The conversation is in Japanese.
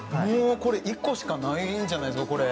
これは１個しかないんじゃないんですか。